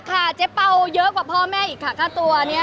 ตังหากค่ะเจ๊เปราเยอะกว่าพ่อแม่อีกค่ะค่าตัวเนี่ย